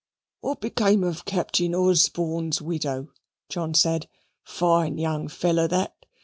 "What became of Captain Osborne's widow?" John said. "Fine young fellow that.